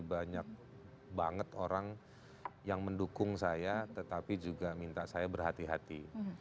banyak banget orang yang mendukung saya tetapi juga minta saya berhati hati